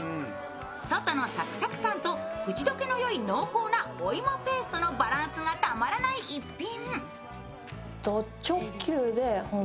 外のサクサク感と口溶けのよい濃厚なお芋ペーストのバランスがたまらない逸品。